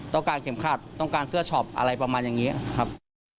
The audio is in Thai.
เข็มขัดต้องการเสื้อช็อปอะไรประมาณอย่างนี้ครับ